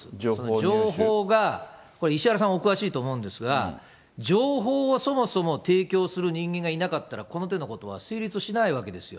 情報がこれ、石原さん、お詳しいと思うんですが、情報をそもそも提供する人間がいなかったら、この手のことは成立しないわけですよ。